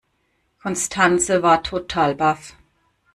Constanze war total baff.